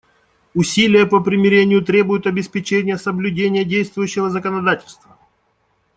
Усилия по примирению требуют обеспечения соблюдения действующего законодательства.